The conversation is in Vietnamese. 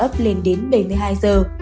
tình trùng ấp lên đến bảy mươi hai giờ